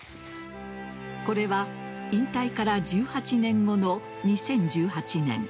これは引退から１８年後の２０１８年。